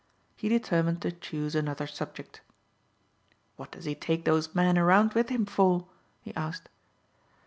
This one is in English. He determined to choose another subject. "What does he take those men around with him for?" he asked.